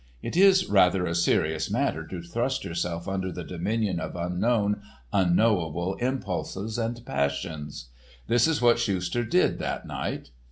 It is rather a serious matter to thrust yourself under the dominion of unknown, unknowable impulses and passions. This is what Schuster did that night.